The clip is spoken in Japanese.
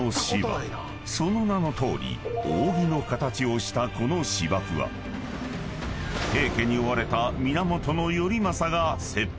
［その名のとおり扇の形をしたこの芝生は平家に追われた］